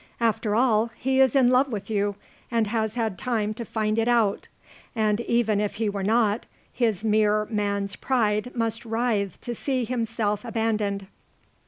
After all, he is in love with you and has had time to find it out; and even if he were not, his mere man's pride must writhe to see himself abandoned.